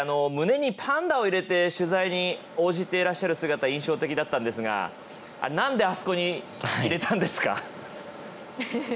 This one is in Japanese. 胸にパンダを入れて取材に応じていらっしゃる姿印象的だったんですがなんであそこに入れたんですか？